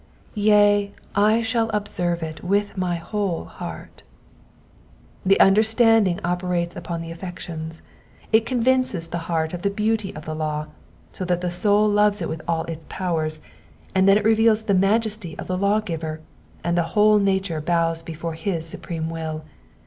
'*F«», / shall observe it toith my whole heart'*'* The understanding operates upon the affections ; it convinces the heart of the beauty of the law, so that the soul loves it with all its powers ; and then it reveals the majesty of the lawgiver, and the whole nature bows before his supreme will.